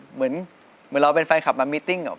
เหมือนเราเป็นแฟนคลับมามิติ้ง